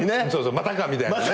またかみたいなね。